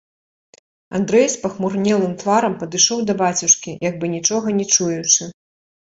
Андрэй з пахмурнелым тварам падышоў да бацюшкі, як бы нічога не чуючы.